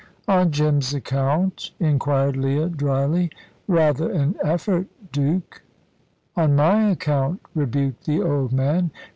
"On Jim's account?" inquired Leah, dryly. "Rather an effort, Duke." "On my account," rebuked the old man.